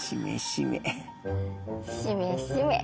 しめしめ。